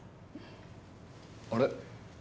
あれ？